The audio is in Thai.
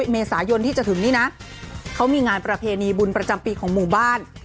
เมษายนที่จะถึงนี้นะเขามีงานประเพณีบุญประจำปีของหมู่บ้าน